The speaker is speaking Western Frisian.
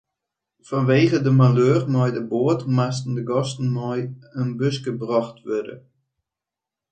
Fanwegen de maleur mei de boat moasten de gasten mei in buske brocht wurde.